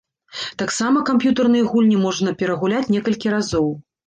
Таксама камп'ютарныя гульні можна перагуляць некалькі разоў.